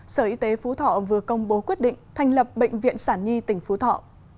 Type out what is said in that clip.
sở y tế phú thọ vừa công bố quyết định thành lập bệnh viện sản nhi tỉnh phú thọ